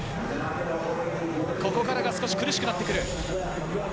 ここからが少し苦しくなってくる。